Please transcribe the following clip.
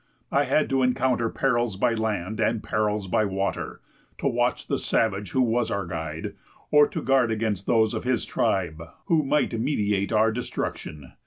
I had to encounter perils by land and perils by water; to watch the savage who was our guide, or to guard against those of his tribe who might meditate our destruction.